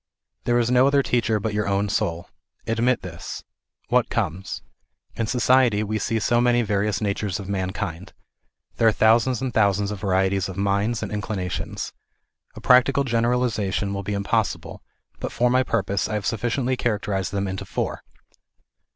There is no other teacher but your own soul. Admit this. What comes ? In society we see so many various natures of man kind. There are thousands and thousands of varieties of minds and inclinations. A practical generalization will be impossible, but for my purpose I have sufficiently character ized them into four.